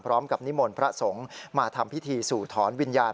นิมนต์พระสงฆ์มาทำพิธีสู่ถอนวิญญาณ